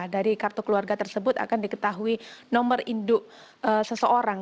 dari kartu keluarga tersebut akan diketahui nomor induk seseorang